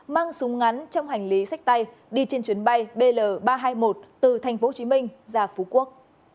mang súng ngắn trong hành lý sách tay đi trên chuyến bay bl ba trăm hai mươi một từ tp hcm ra phú quốc